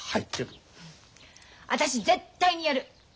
私絶対にやる。